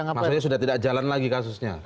maksudnya sudah tidak jalan lagi kasusnya